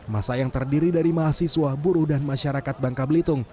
masa yang terdiri dari mahasiswa buruh dan masyarakat bangka belitung